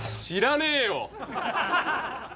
知らねえよ！